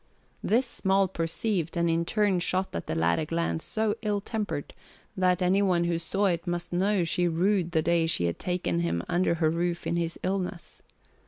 This Moll perceived and in turn shot at the lad a glance so ill tempered that any one who saw it must know she rued the day she had taken him under her roof in his illness.